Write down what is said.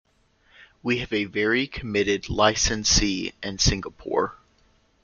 We have a very committed licensee in Singapore.